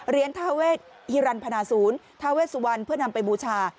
ทาเวชฮิรันพนาศูนย์ทาเวสุวรรณเพื่อนำไปบูชา